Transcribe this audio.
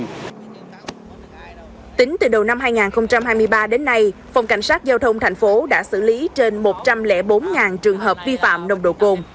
tính từ đầu năm hai nghìn hai mươi ba đến nay phòng cảnh sát giao thông thành phố đã xử lý trên một trăm linh bốn trường hợp vi phạm nồng độ cồn